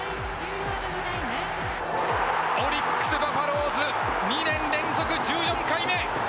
オリックスバファローズ、２年連続１４回目。